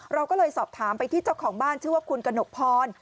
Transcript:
เราก็เลยสอบถามไปที่เจ้าของบ้านชื่อว่าคุณกระหนกพร